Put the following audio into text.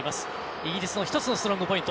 イギリスの１つのストロングポイント